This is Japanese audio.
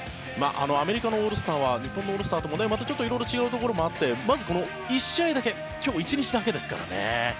アメリカのオールスターは日本のオールスターともまた色々違うところもあってまずこの１試合だけ今日１日だけですからね。